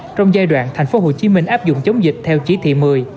trong giai đoạn tp hcm áp dụng chống dịch theo chỉ thị một mươi